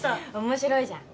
面白いじゃん。